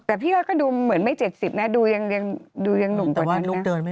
แต่พี่ยอดก็ดูเหมือนไม่๗๐นะดูยังหนุ่มกว่านั้นนะ